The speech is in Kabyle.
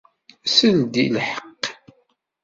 Sel-d i lḥeqq.